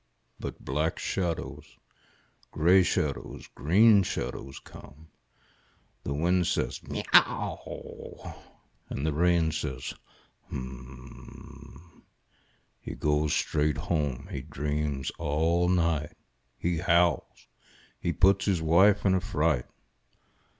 But black shadows, grey shadows, green shadows come. The wind says, " Miau !" and the rain says, « Hum !" He goes straight home. He dreams all night. He howls. He puts his wife in a fright.